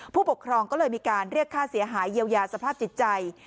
ผู้ปกครองก็เลยมีการเรียกค่าเสียหายเยียวยาสภาพจิตใจ